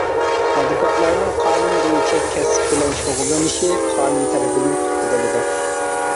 ئادۋوكاتلارنىڭ قانۇن بويىچە كەسىپ بىلەن شۇغۇللىنىشى قانۇن تەرىپىدىن قوغدىلىدۇ.